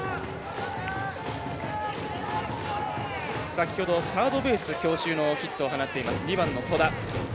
先ほどサードベース強襲のヒットを放っています、２番。